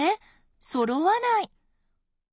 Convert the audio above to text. そろわない。